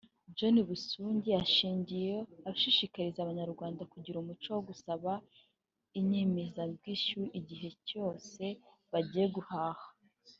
Johnson Busingye yashingiyeho ashishikariza Abanyarwanda kugira umuco wo gusaba inyemezabwishyu igihe cyose bagiye guhaha